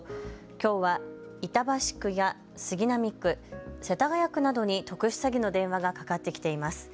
きょうは、板橋区や杉並区、世田谷区などに特殊詐欺の電話がかかってきています。